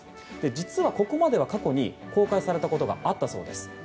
実は、ここまでは過去に公開されたことがあったそうです。